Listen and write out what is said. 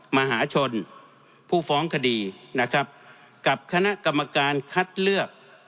มหาชนผู้ฟ้องคดีนะครับกับคณะกรรมการคัดเลือก